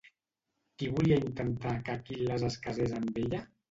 Qui volia intentar que Aquil·les es casés amb ella?